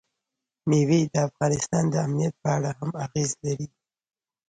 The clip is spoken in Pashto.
مېوې د افغانستان د امنیت په اړه هم اغېز لري.